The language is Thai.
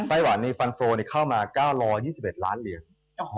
ไต้หวันในฟันโฟลเข้ามา๙๒๑ล้านเหรียญ